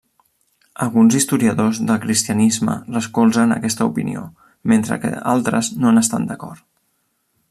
Alguns historiadors del cristianisme recolzen aquesta opinió, mentre que altres no n'estan d'acord.